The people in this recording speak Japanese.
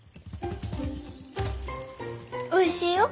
おいしいよ。